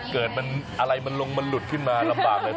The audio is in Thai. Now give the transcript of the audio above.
เกิดมันอะไรมันลงมันหลุดขึ้นมาลำบากเลย